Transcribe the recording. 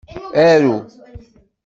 Aru!